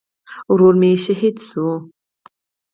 ورور مې شهید شو